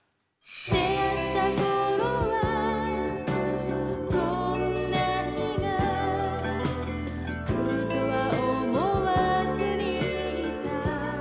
「出逢った頃はこんな日が来るとは思わずにいた」